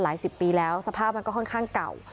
สิบปีแล้วสภาพมันก็ค่อนข้างเก่า